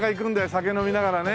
酒飲みながらね。